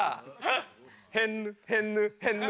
ヘンヌヘンヌヘンヌ。